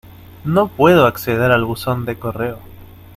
No puedo acceder al buzón de correo.